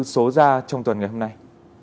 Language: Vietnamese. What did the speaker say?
số ra trong tuần ngày hôm nay